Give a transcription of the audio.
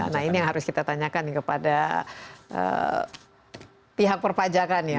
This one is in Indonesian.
nah ini yang harus kita tanyakan kepada pihak perpajakan ya